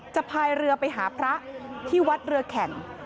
พายเรือไปหาพระที่วัดเรือแข่ง